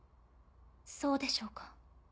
そうでしょうか。